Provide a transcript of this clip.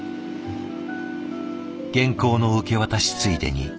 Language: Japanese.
原稿の受け渡しついでに。